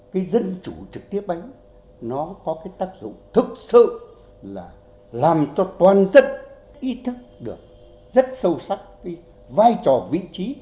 cái dân chủ trực tiếp ấy nó có cái tác dụng thực sự là làm cho toàn dân ý thức được rất sâu sắc cái vai trò vị trí